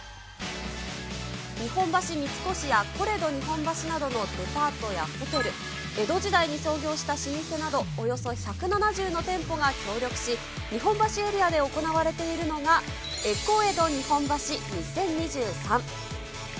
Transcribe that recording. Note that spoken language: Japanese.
日本橋三越やコレド日本橋などのデパートやホテル、江戸時代に創業した老舗など、およそ１７０の店舗が協力し、日本橋エリアで行われているのが、エコエド日本橋２０２３。